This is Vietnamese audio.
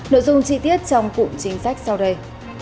nội dung chi tiết trong cụm chính sách sau đây